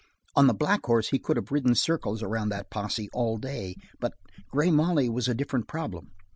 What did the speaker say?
On the black horse he could have ridden circles around that posse all day. But Grey Molly was a different problem.